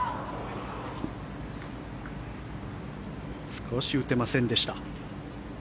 少し打てませんでした。